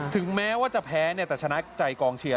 ถึงแม้ว่าจะแพ้แต่ชนะใจกองเชียร์